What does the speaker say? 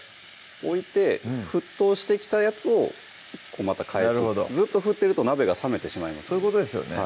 置いて沸騰してきたやつをまた返すずっと振ってると鍋が冷めてしまいますのでそういうことですよね